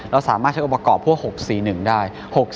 เราสามารถใช้องค์ประกอบพวก๖๔๑ได้